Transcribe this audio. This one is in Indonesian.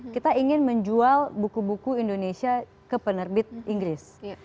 kita ingin menjual buku buku indonesia ke penerbit inggris